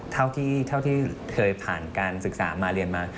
เท่าที่เคยผ่านการศึกษามาเรียนมา